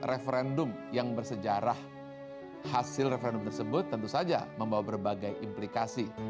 referendum yang bersejarah hasil referendum tersebut tentu saja membawa berbagai implikasi